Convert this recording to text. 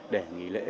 để nghỉ lễ